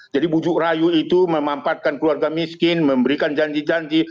jadi bujuk rayu itu memampatkan keluarga miskin memberikan janji janji